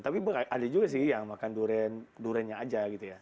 tapi ada juga sih yang makan duriannya aja gitu ya